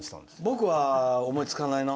僕は思いつかないな。